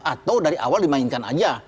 atau dari awal dimainkan aja